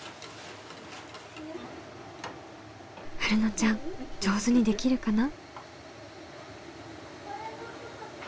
はるのちゃん上手にできるかな？